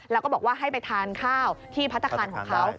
แล้วก็บอกว่าให้ไปทานข้าวที่พัฒนาคารของเขา